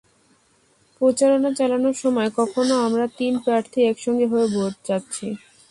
প্রচারণা চালানোর সময় কখনো আমরা তিন প্রার্থী একসঙ্গে হয়েও ভোট চাচ্ছি।